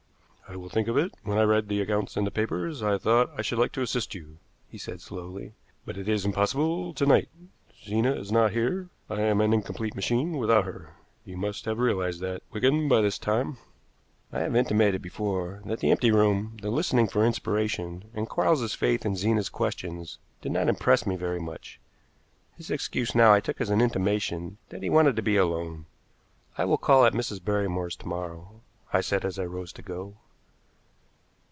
"I will think of it. When I read the accounts in the papers, I thought I should like to assist you," he said slowly. "But it is impossible to night. Zena is not here. I am an incomplete machine without her. You must have realized that, Wigan, by this time." I have intimated before that the empty room, the listening for inspiration, and Quarles's faith in Zena's questions did not impress me very much. His excuse now I took as an intimation that he wanted to be alone. "I will call at Mrs. Barrymore's to morrow," I said as I rose to go.